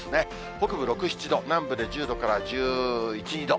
北部６、７度、南部で１０度から１１、２度。